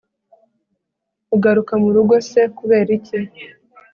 ugaruka murugo se kuberiki